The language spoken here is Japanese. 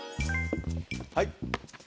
はい。